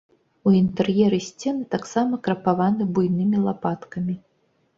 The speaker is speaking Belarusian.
У інтэр'еры сцены таксама крапаваны буйнымі лапаткамі.